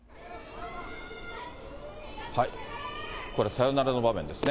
これ、サヨナラの場面ですね。